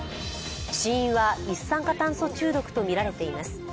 死因は一酸化炭素中毒とみられています。